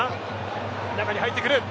中に入ってくる。